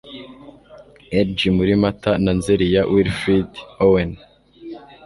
Elegy muri Mata na Nzeri ya Wilfred Owen